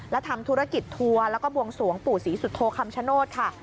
และทำธุรกิจทัวร์แล้วก็บวงสวงปู่ศรีสุโธคำชโนธค่ะ